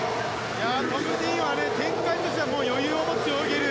トム・ディーンは展開としては余裕を持って泳げる。